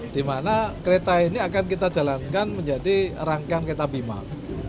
dimana kereta ini akan kita jalankan menjadi rangkaian kereta bimak